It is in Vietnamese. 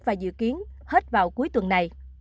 và dự kiến hết vào cuối tuần này